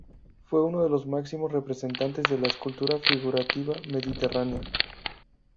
Fue uno de los máximos representantes de la escultura figurativa mediterránea.